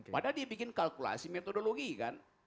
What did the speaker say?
padahal dia bikin kalkulasi metodologi kan